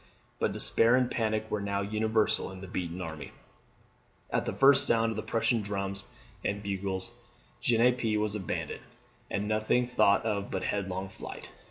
But despair and panic were now universal in the beaten army. At the first sound of the Prussian drums and bugles, Genappe was abandoned, and nothing thought of but headlong flight.